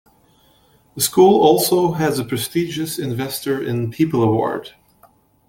The school also has a prestigious Investor in People award.